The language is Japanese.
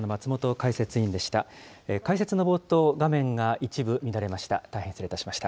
解説の冒頭、画面が一部乱れました。